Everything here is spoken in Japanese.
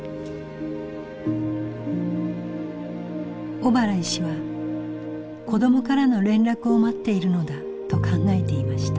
小原医師は「子どもからの連絡を待っているのだ」と考えていました。